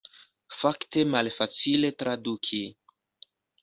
Fakte malfacile traduki.